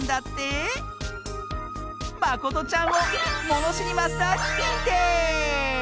まことちゃんをものしりマスターににんてい！